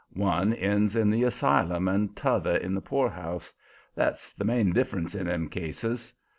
One ends in the asylum and t'other in the poorhouse; that's the main difference in them cases.